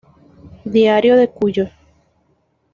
Diario de Cuyo